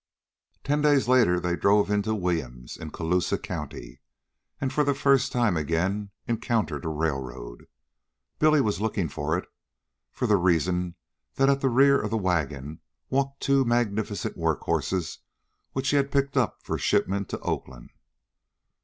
Ten days later they drove into Williams, in Colusa County, and for the first time again encountered a railroad. Billy was looking for it, for the reason that at the rear of the wagon walked two magnificent work horses which he had picked up for shipment to Oakland.